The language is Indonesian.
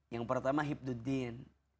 yang pertama hibduddin